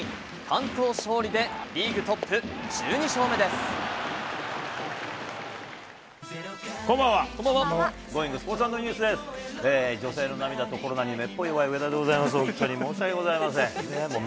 完投勝利で、リーグトップ１２勝こんばんは。